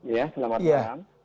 ya selamat malam